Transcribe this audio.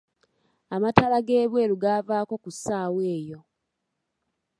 Amataala g'ebweru gaavako ku ssaawa eyo.